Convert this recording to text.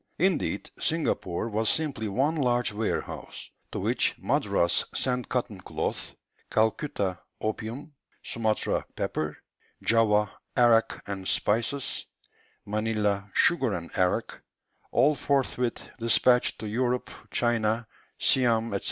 Indeed, Singapore was simply one large warehouse, to which Madras sent cotton cloth; Calcutta, opium; Sumatra, pepper; Java, arrack and spices; Manilla, sugar and arrack; all forthwith despatched to Europe, China, Siam, &c.